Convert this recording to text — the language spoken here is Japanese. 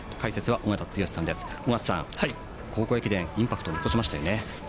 尾方さん、高校駅伝でインパクトを残しましたよね。